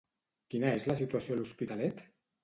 Quina és la situació a l'Hospitalet?